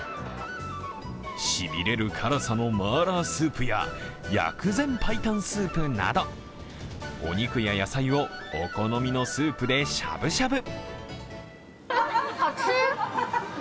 しびれる辛さのマーラースープや、薬膳白湯スープなど、お肉や野菜をお好みのスープでしゃぶしゃぶ。